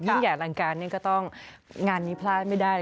ยิ่งใหญ่อลังการนี่ก็ต้องงานนี้พลาดไม่ได้